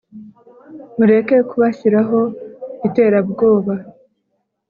mureke kubashyiraho iterabwoba